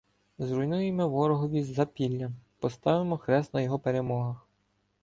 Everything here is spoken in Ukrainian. Зруйнуємо ворогові запілля — поставимо хрест на його перемогах.